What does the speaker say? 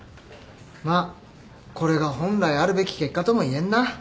まあこれが本来あるべき結果とも言えるな。